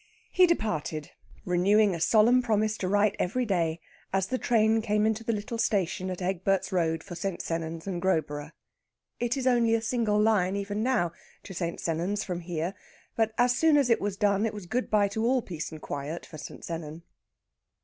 He departed, renewing a solemn promise to write every day as the train came into the little station at Egbert's Road, for St. Sennans and Growborough. It is only a single line, even now, to St. Sennans from here, but as soon as it was done it was good bye to all peace and quiet for St. Sennan.